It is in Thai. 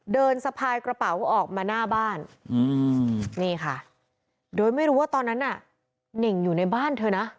เดินสะพายกระเป๋าออกมาหน้าบ้าน